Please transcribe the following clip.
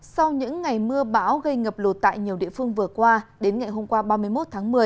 sau những ngày mưa bão gây ngập lụt tại nhiều địa phương vừa qua đến ngày hôm qua ba mươi một tháng một mươi